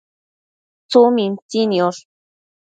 tsumintsi niosh